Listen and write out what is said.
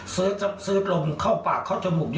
ซืดลมเข้าปากเข้าจมูกเยอะ